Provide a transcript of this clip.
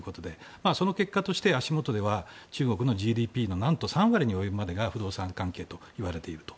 その結果として足元では中国のＧＤＰが何と３割に及ぶまでが不動産関係といわれていると。